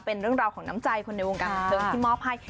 เป็นเรื่องราวของน้ำใจคนในวงการบันเทิงที่มอบให้